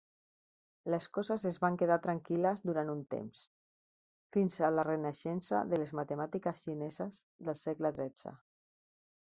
Les coses es van quedar tranquil·les durant un temps fins a la renaixença de les matemàtiques xineses del segle XIII.